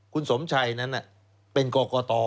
คุณสมชัยนั้นเป็นกรกต